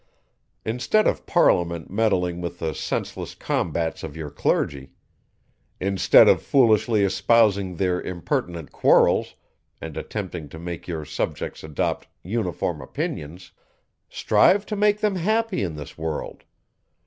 Instead of Parliament meddling with the senseless combats of your clergy; instead of foolishly espousing their impertinent quarrels, and attempting to make your subjects adopt uniform opinions strive to make them happy in this world.